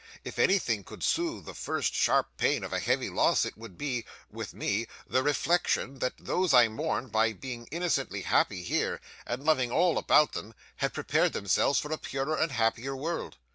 If anything could soothe the first sharp pain of a heavy loss, it would be with me the reflection, that those I mourned, by being innocently happy here, and loving all about them, had prepared themselves for a purer and happier world.